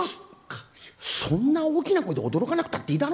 そんなに大きな声で驚かなくたっていいだろ。